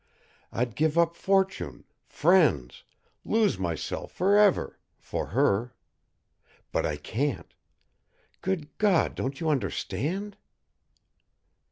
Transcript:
I'd give up fortune, friends, lose myself for ever for HER. But I can't. Good God, don't you understand?"